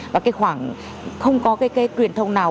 và không có cái truyền thông nào